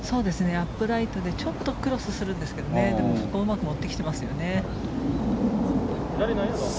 アップライトでちょっとクロスするんですけどそこをうまく持ってきてますよね。